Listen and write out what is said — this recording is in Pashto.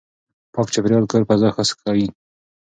پاک چاپېريال کور فضا ښه کوي.